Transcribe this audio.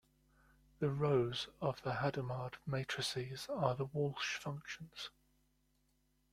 The rows of the Hadamard matrices are the Walsh functions.